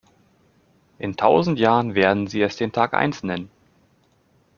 In tausend Jahren werden sie es den Tag eins nennen.